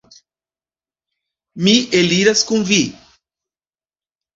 Mi eliras kun vi.